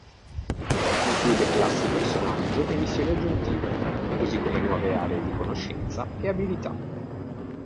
Include classi personaggio e missioni aggiuntive, così come nuove aree di conoscenza e abilità.